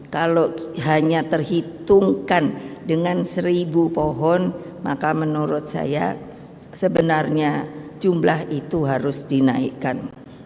kalau hanya terhitungkan dengan seribu pohon maka menurut saya sebenarnya jumlah itu harus dinaikkan